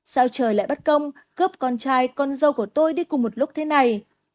sao trời lại bắt công cướp con trai con dâu của tôi đi cùng một lúc thế này